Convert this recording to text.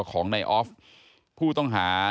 ของในออฟผู้ต้องหา